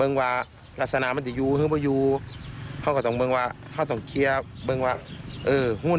เอาไปหาหู้ใหม่หู้ที่ว่ามันมีนามขึ้น